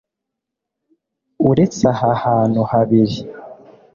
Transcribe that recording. uretse aha hantu habiri